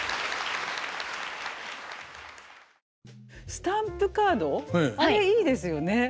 スタンプカードあれいいですよね。